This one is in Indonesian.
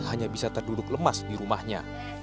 hanya bisa terduduk lemas di rumahnya